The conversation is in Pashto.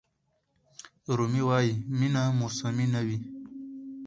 رومي وایي مینه موسمي نه وي.